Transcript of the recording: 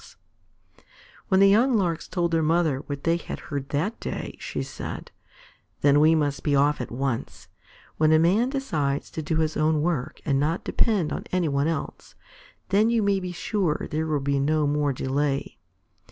When the young Larks told their mother what they had heard that day, she said: "Then we must be off at once. When a man decides to do his own work and not depend on any one else, then you may be sure there will be no more delay."